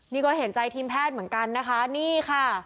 นี่ก็เห็นใจทีมแพทย์เหมือนกันนะคะนี่ค่ะ